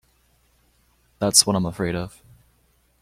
That's what I'm afraid of.